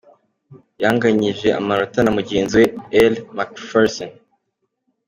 Yanganyije amanota na mugenzi we Elle Macpherson .